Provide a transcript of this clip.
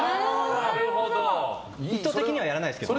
意図的にはやらないですけどね。